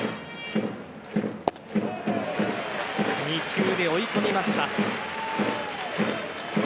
２球で追い込みました。